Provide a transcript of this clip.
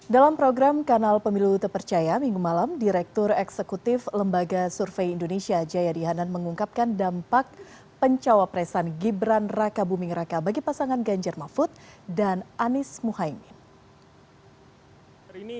dalam program kanal pemilu tepercaya minggu malam direktur eksekutif lembaga survei indonesia jaya dihanan mengungkapkan dampak pencawa presan gibran raka buming raka bagi pasangan ganjar mafud dan anis muhaimin